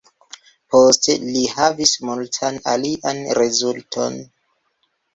Poste li havis multan alian rezulton.